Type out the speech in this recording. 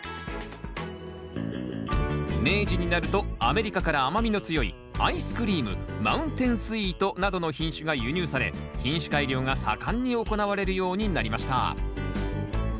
明治になるとアメリカから甘みの強いアイスクリームマウンテンスイートなどの品種が輸入され品種改良が盛んに行われるようになりました。